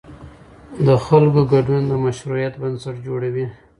د خلکو ګډون د مشروعیت بنسټ جوړوي